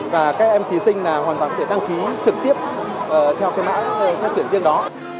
và các em thí sinh là hoàn toàn có thể đăng ký trực tiếp theo cái mã xét tuyển riêng đó